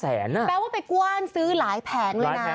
แปลว่าไปกว้านซื้อหลายแผงเลยนะ